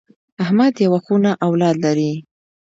احمد یوه خونه اولاد لري.